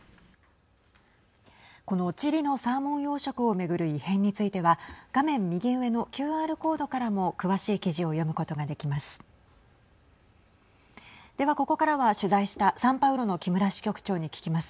このチリのサーモン養殖を巡る異変については画面右上のＱＲコードからも詳しい記事を読むことができます。